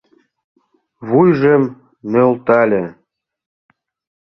Вуйжым нӧлтале.